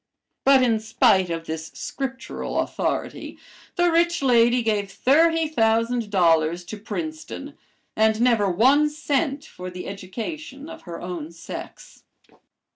But in spite of this Scriptural authority, the rich lady gave thirty thousand dollars to Princeton and never one cent for the education of her own sex.